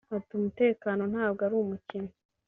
Ati “Umutekano ntabwo ari umukino